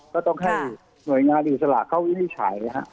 ก็ต้องให้หน่วยงานอิสระเข้าวินิจฉัย